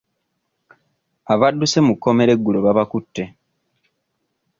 Abadduse mu kkomera eggulo babakutte.